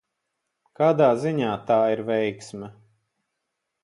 Kādā ziņā tā ir veiksme?